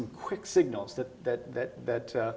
mengirimkan sinyal cepat